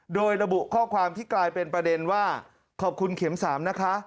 โดยระบุข้อความที่กลายเป็นประเด็นว่าขอบคุณเข็ม๓นะคะ